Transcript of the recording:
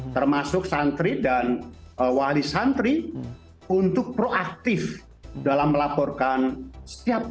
termasuk santri dan wali santri untuk proaktif dalam melaporkan setiap pesantren dalam kisah